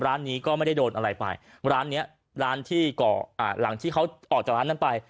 ร้านนี้ก็ไม่ได้โดนอะไรไปร้านเนี้ยร้านที่ก่ออ่าหลังที่เขาออกจากร้านนั้นไป